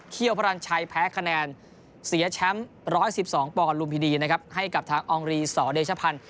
พระรันชัยแพ้คะแนนเสียแชมป์๑๑๒ปอนดลุมพินีนะครับให้กับทางอองรีสอเดชพันธ์